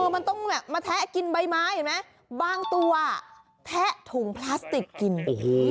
มันต้องแบบมาแทะกินใบไม้เห็นไหมบางตัวแทะถุงพลาสติกกินโอ้โห